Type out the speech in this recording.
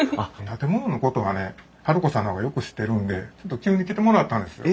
建物のことはね治子さんの方がよく知ってるんでちょっと急に来てもらったんですよ。